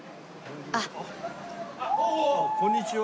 こんにちは。